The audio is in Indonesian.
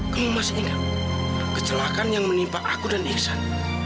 kamu masih ingat kecelakaan yang menimpa aku dan iksan